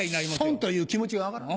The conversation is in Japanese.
「ソン」という気持ちが分からん。